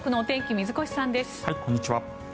こんにちは。